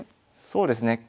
そうですね。